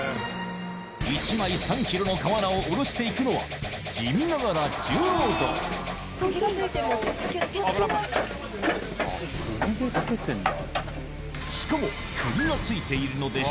１枚３ｋｇの瓦をおろしていくのは地味ながら重労働しかもまだ。